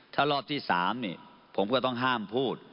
ถ้ารอบที่๓ผมก็ต้องห้ามพูด